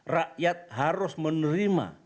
rakyat harus menerima